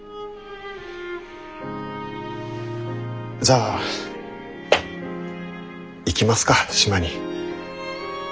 じゃあ行きますか島に。